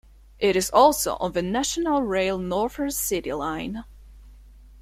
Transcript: It is also on the National Rail Northern City Line.